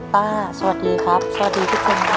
สวัสดีครับสวัสดีทุกคนครับ